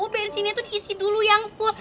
bensinnya itu diisi dulu yang full